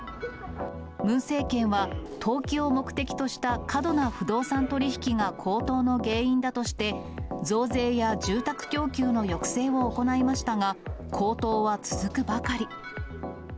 ムン政権は投機を目的とした過度な不動産取り引きが高騰の原因だとして、増税や住宅供給の抑制を行いましたが、高騰は続くばかり。